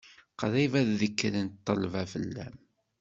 Qrib ad ddekren ṭṭelba fell-am.